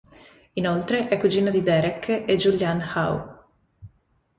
Inoltre è cugino di Derek e Julianne Hough.